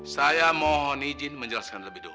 saya mohon izin menjelaskan lebih dulu